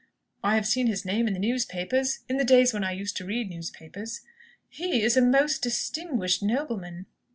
"I have seen his name in the newspapers, in the days when I used to read newspapers." "He is a most distinguished nobleman."